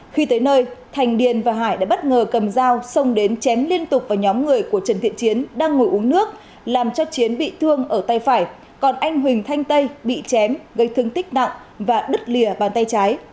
khi tới nơi thành điền và hải đã bất ngờ cầm dao xông đến chém liên tục vào nhóm người của trần thiện chiến đang ngồi uống nước làm cho chiến bị thương ở tay phải còn anh huỳnh thanh tây bị chém gây thương tích nặng và đứt lìa bàn tay trái